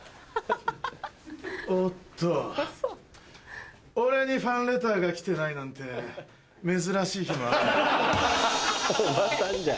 おっと俺にファンレターが来てないなんて珍しい日もあるもんだ。